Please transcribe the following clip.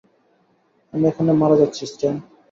আমি এখানে মারা যাচ্ছি, স্ট্যান।